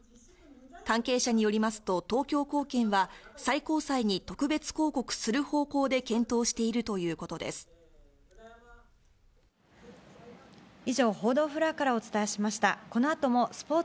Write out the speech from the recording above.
関係者によりますと、東京高検は、最高裁に特別抗告する方向で検討しているということ・何見てるんですか？